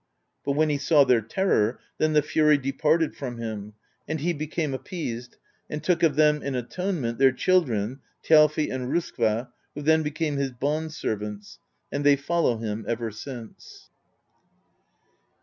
But when he saw their terror, then the fury de parted from him, and he became appeased, and took of them in atonement their children, Thjalfi and R6skva, who then became his bond servants; and they follow him ever since.